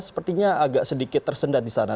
sepertinya agak sedikit tersendat di sana